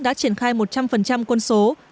đã triển khai một trăm linh quân số